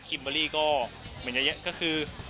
คิมเพอร์ลี่ก็คือ